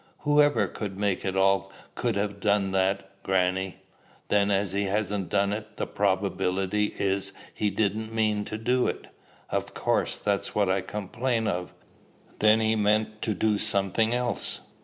"Whoever could make it at all could ha' done that, grannie." "Then, as he hasn't done it, the probability is he didn't mean to do it?" "Of course. That's what I complain of." "Then he meant to do something else?"